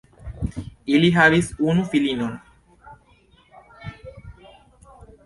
Ili havis unu filinon.